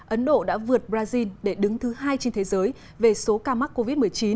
ấn độ đã vượt brazil để đứng thứ hai trên thế giới về số ca mắc covid một mươi chín